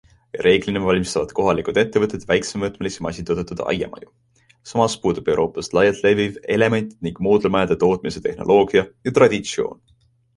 Reeglina valmistavad kohalikud ettevõtted väiksemõõtmelisi masintoodetud aiamaju, samas puudub Euroopas laialt leviv element- ning moodulmajade tootmise tehnoloogia ja traditsioon.